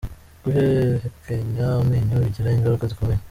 Guhekenya amenyo bigira ingaruka zikomeye